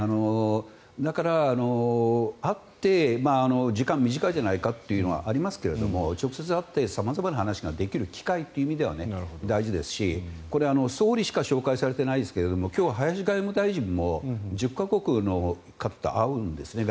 だから、会って時間短いじゃないかというのはありますが直接会って様々な話ができる機会という意味では大事ですし、これは総理しか紹介されていませんが今日、林外務大臣も１０か国の方と会うんですね